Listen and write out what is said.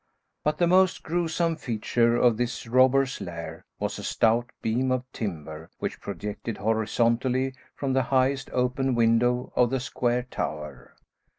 But the most gruesome feature of this robber's lair was a stout beam of timber, which projected horizontally from the highest open window of the square tower.